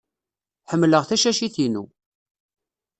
Ḥemmleɣ tacacit-inu.